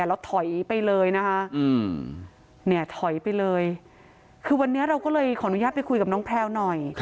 แล้วถอยไปเลยนะคะเนี่ยถอยไปเลยคือวันนี้เราก็เลยขออนุญาตไปคุยกับน้องแพลวหน่อย